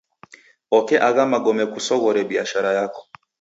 Oke agha magome kusoghore biashara yako.